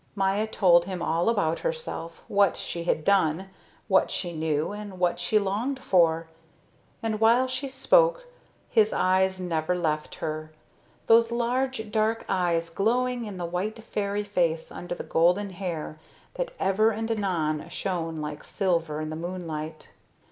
Maya told him all about herself, what she had done, what she knew, and what she longed for. And while she spoke, his eyes never left her, those large dark eyes glowing in the white fairy face under the golden hair that ever and anon shone like silver in the moonlight.